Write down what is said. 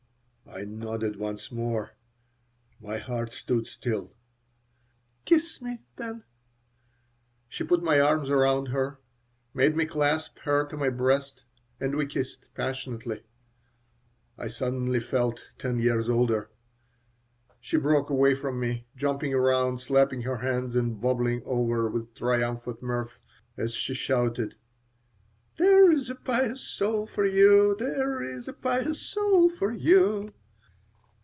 I nodded once more. My heart stood still. "Kiss me, then." She put my arms around her, made me clasp her to my breast, and we kissed, passionately I suddenly felt ten years older She broke away from me, jumping around, slapping her hands and bubbling over with triumphant mirth, as she shouted: "There is a pious soul for you! There is a pious soul for you!"